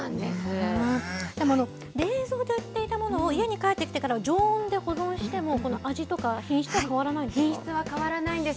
でも冷蔵で売っていたものを家に帰ってきてから常温で保存しても味とか品質は変わらないんで品質は変わらないんです。